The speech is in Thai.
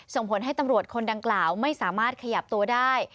ส่งผลให้ตำรวจคนดังกล่าวไม่สามารถขยับตัวได้